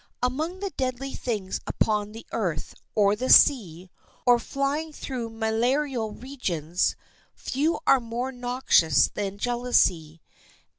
Among the deadly things upon the earth, or in the sea, or flying through malarial regions, few are more noxious than jealousy.